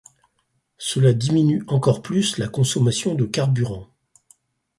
Cela diminue encore plus la consommation de carburant.